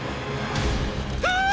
ああ！